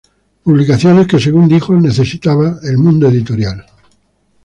Publicaciones que según dijo "necesitaba el mundo editorial".